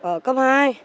ở cấp hai